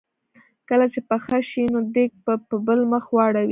کله چې پخه شي نو دیګ په بل مخ واړوي.